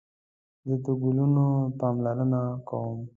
زه د ګلانو پاملرنه کوم